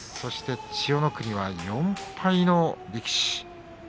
千代の国は４敗の力士